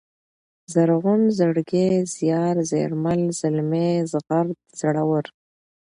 زرغون ، زړگی ، زيار ، زېړگل ، زلمی ، زغرد ، زړور